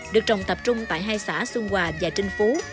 được trồng tập trung tại hai xã xuân hòa và trinh phú